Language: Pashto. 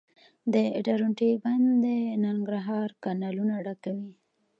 د درونټې بند د ننګرهار کانالونه ډکوي